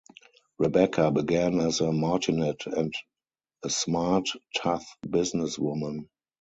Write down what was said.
Rebecca began as a martinet and a "smart, tough businesswoman".